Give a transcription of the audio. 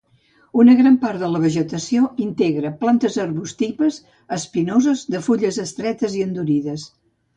Una gran part de la vegetació integra plantes arbustives, espinoses, de fulles estretes i endurides.